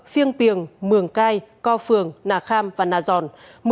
phiêng piềng mường cai co phường nà kham và nà giòn